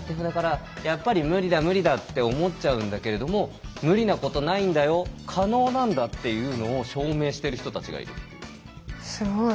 やっぱり「無理だ無理だ」って思っちゃうんだけれども無理なことないんだよ可能なんだっていうのを証明してる人たちがいるっていう。